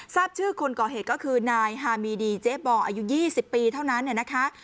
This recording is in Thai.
ทราบชื่อคนก่อเหตุก็คือนายฮามีดีเจ๊บออายุ๒๐ปีเท่านั้นเนี่ยนะคะ